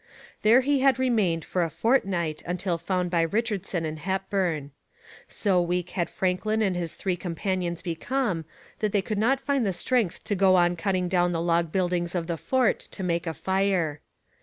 There he had remained for a fortnight until found by Richardson and Hepburn. So weak had Franklin and his three companions become that they could not find the strength to go on cutting down the log buildings of the fort to make a fire.